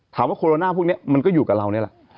โคโรนาพวกนี้มันก็อยู่กับเรานี่แหละ